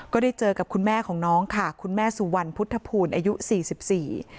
ก็ได้เจอกับคุณแม่ของน้องค่ะคุณแม่สุวรรณพุทธภูมิอายุสี่สิบสี่